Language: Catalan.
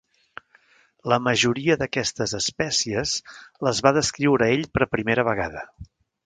La majoria d'aquestes espècies les va descriure ell per primera vegada.